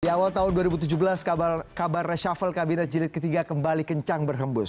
di awal tahun dua ribu tujuh belas kabar reshuffle kabinet jilid ketiga kembali kencang berhembus